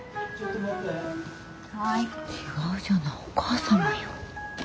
違うじゃないお母様よ。